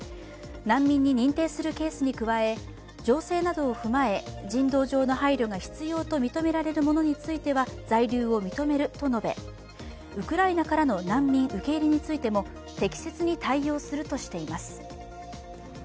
難民に認定するケースに加え情勢などを踏まえ人道上の配慮が必要と認められるものについては在留を認めると述べ、ウクライナからの難民受け入れについても適切に対応するとしています。